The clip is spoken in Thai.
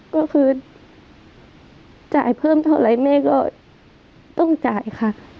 ก็คือจ่ายเพิ่มเท่าไหร่แม่ก็ต้องจ่ายค่ะ